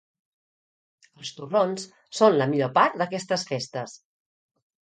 Els torrons són la millor part d'aquestes festes.